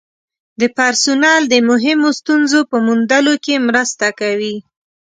د پرسونل د مهمو ستونزو په موندلو کې مرسته کوي.